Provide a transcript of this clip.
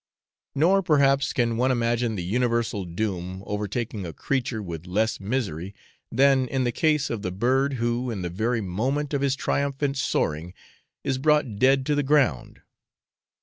Nor, perhaps, can one imagine the universal doom overtaking a creature with less misery than in the case of the bird who, in the very moment of his triumphant soaring, is brought dead to the ground.